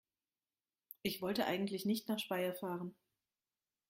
Ich wollte eigentlich nicht nach Speyer fahren